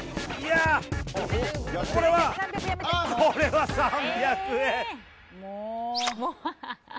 これは３００円！